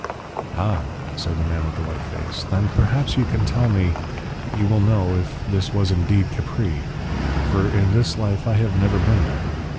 "Ah!" said the man with the white face; "then perhaps you can tell me you will know if this was indeed Capri. For in this life I have never been there.